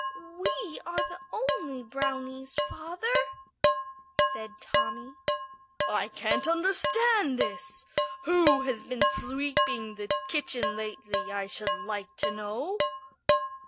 "We are the only brownies, father," said Tommy. "I can't understand this. Who has been sweeping the kitchen lately, I should like to know?"